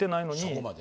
そこまで。